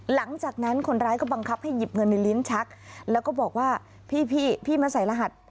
หลังจากนั้นคนร้ายก็บังคับให้หยิบเงินในลิ้นชักแล้วก็บอกว่าพี่พี่มาใส่รหัส